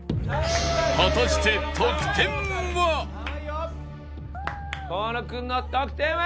果たして河野君の得点は。